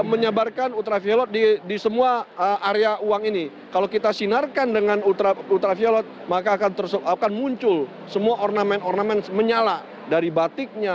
menyebarkan ultraviolet di semua area uang ini kalau kita sinarkan dengan ultra ultraviolet